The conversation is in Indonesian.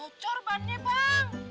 bocor bannya bang